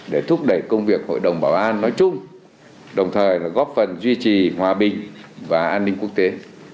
để thúc đẩy công việc hội đồng bảo an nói chung đồng thời góp phần duy trì hòa bình và an ninh quốc tế